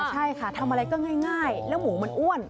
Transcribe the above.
ใช่ค่ะทำอะไรก็ง่ายแล้วหมูมันอ้วน